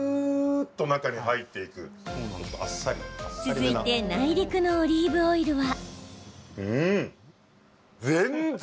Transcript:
続いて内陸のオリーブオイルは。